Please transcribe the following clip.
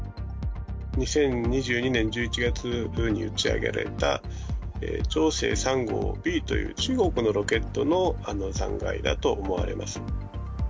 ２０２２年１１月に打ち上げられた長征３号Ｂという中国のロケットの残骸だと思われます。